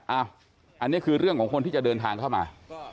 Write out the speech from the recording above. อันนี้คือเรื่องของคนที่จะเดินทางเข้ามา